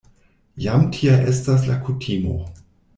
Jam tia estas la kutimo.